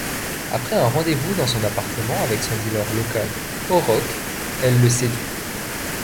Après un rendez-vous dans son appartement avec son dealer local, O-Rock, elle le séduit.